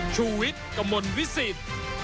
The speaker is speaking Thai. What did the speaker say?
ชูเวทกมลวิศิษฐ์